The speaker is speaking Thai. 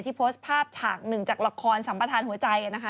โพสต์ภาพฉากหนึ่งจากละครสัมประธานหัวใจนะคะ